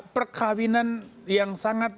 perkawinan yang sangat